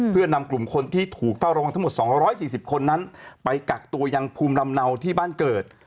เพื่อนำกลุ่มคนที่ถูกเฝ้ารองทั้งหมด๒๔๐คนนั้นไปกักตัวยังภูมิลำเนาที่บ้านเกิด